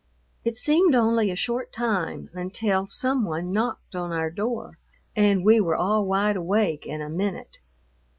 It seemed only a short time until some one knocked on our door and we were all wide awake in a minute.